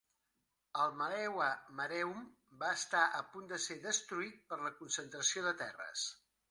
El Maehwa Mareum va estar a punt de ser destruït per la concentració de terres.